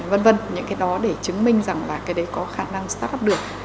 vân vân những cái đó để chứng minh rằng là cái đấy có khả năng start up được